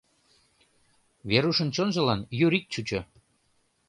Верушын чонжылан юрик чучо.